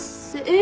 え！